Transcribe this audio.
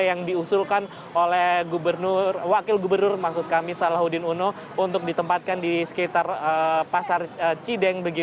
yang diusulkan oleh wakil gubernur maksud kami salahuddin uno untuk ditempatkan di sekitar pasar cideng